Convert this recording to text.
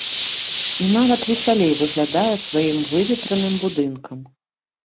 І нават весялей выглядае сваім выветраным будынкам.